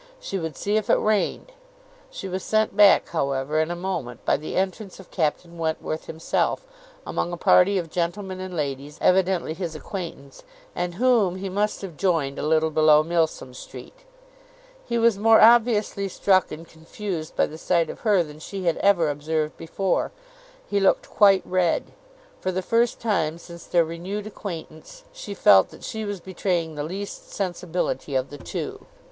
She would see if it rained. She was sent back, however, in a moment by the entrance of Captain Wentworth himself, among a party of gentlemen and ladies, evidently his acquaintance, and whom he must have joined a little below Milsom Street. He was more obviously struck and confused by the sight of her than she had ever observed before; he looked quite red. For the first time, since their renewed acquaintance, she felt that she was betraying the least sensibility of the two.